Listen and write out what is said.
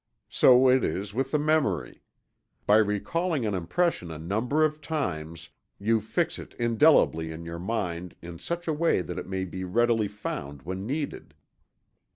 So it is with the memory. By recalling an impression a number of times, you fix it indelibly in your mind in such a way that it may be readily found when needed.